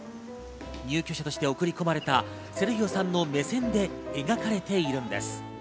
入居者として送り込まれたセルヒオさんの目線で描かれているんです。